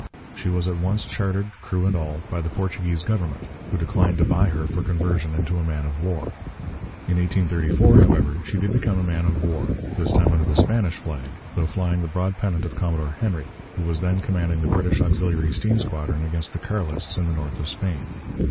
She was at once chartered, crew and all, by the Portuguese government, who declined to buy her for conversion into a man of war. In 1834, however, she did become a man of war, this time under the Spanish flag, though flying the broad Pennant of Commodore Henry, who was then commanding the British Auxiliary Steam Squadron against the Carlists in the north of Spain.